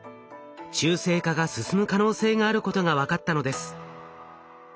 中性化が進む可能性があることが分かったのです。